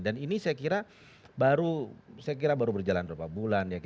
dan ini saya kira baru berjalan beberapa bulan